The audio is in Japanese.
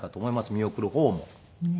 見送る方も。